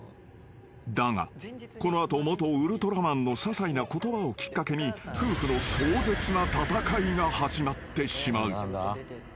［だがこの後元ウルトラマンのささいな言葉をきっかけに夫婦の壮絶な戦いが始まってしまう］